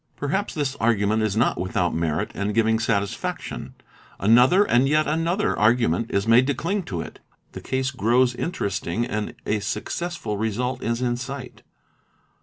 Perhaps this argument is not without merit and, giving satisfaction, another and yet another argument is made to cling to it. The case grows interesting and a successful result is in sight.